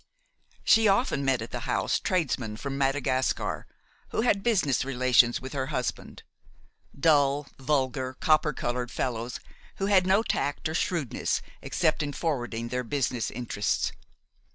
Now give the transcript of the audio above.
She often met at the house tradesmen from Madagascar, who had business relations with her husband; dull, vulgar, copper colored fellows who had no tact or shrewdness except in forwarding their business interests.